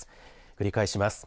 繰り返します。